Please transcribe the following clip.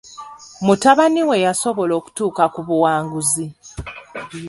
Mutabani we yasobola okutuuka ku buwanguzi.